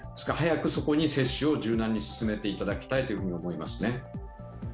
早くそこに接種を柔軟に進めていただきたいと思いますね。